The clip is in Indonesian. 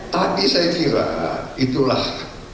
tapi saya kira itulah